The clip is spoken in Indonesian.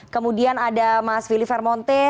kemudian ada mas willy vermonte